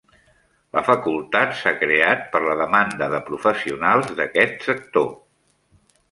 La facultat s'ha creat per la demanda de professionals d'aquest sector